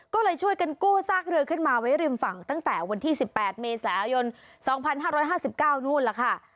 ก็เลยช่วยกันกู้ซากเรือขึ้นมาไว้ริมฝังตั้งแต่วันที่สิบแปดเมษายนสองพันห้าร้อยห้าสิบเก้านู้นล่ะค่ะ